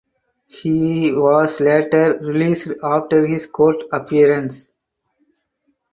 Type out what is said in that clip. He was later released after his court appearance.